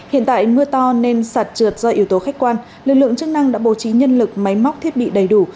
hiện tại mưa to nên sạt trượt do yếu tố khách quan lực lượng chức năng đã bố trí nhân lực máy móc thiết bị đầy đủ